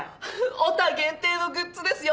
オタ限定のグッズですよ！